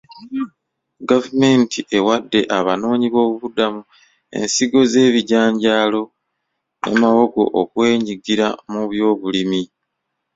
Gavumenti ewadde abanoonyi b'obubuddamu ensigo z'ebijanjalo ne mawongo okwenyigira mu by'obulimi.